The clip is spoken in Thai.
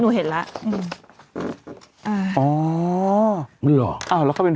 ขออีกทีอ่านอีกที